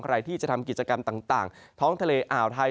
ใครที่จะทำกิจกรรมต่างท้องทะเลอ่าวไทย